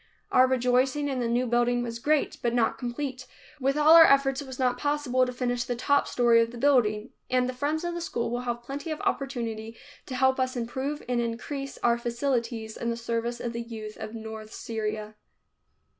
Our rejoicing in the new building was great, but not complete. With all our efforts it was not possible to finish the top story of the building, and the friends of the school will have plenty of opportunity to help us improve and increase our facilities in the service of the youth of north Syria.